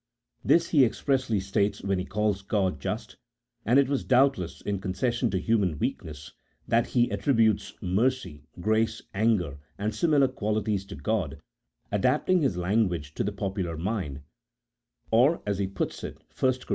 This he expressly states when he calls God just, and it was doubtless in concession to human weakness that he attributes mercy, grace, anger, and similar qualities to God, adapting his language to the popular mind, or, as he puts it (1 Cor.